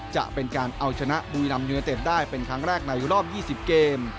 จะเป็นการเอาชนะบุรีรำยูเนเต็ดได้เป็นครั้งแรกในรอบ๒๐เกม